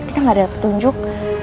kita nggak ada petunjuk